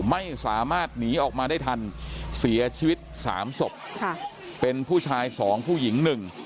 ไม่สามารถหนีออกมาได้ทันเสียชีวิต๓ศพเป็นผู้ชาย๒ผู้หญิง๑